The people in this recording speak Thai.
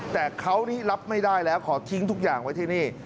แต่เขานี่รับไม่ได้แล้วขอทิ้งทุกอย่างไว้ที่นี่